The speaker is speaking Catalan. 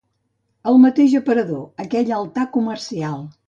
El mateix aparador, aquell altar comercial